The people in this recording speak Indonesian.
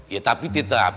ya tapi tetap